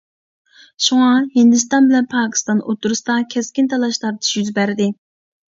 شۇڭا، ھىندىستان بىلەن پاكىستان ئوتتۇرىسىدا كەسكىن تالاش-تارتىش يۈز بەردى.